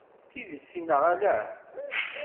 D tidet neɣ ala?